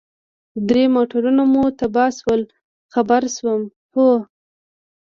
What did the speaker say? درې موټرونه مو تباه شول، خبر شوم، هو.